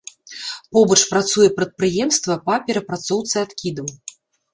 Побач працуе прадпрыемства па перапрацоўцы адкідаў.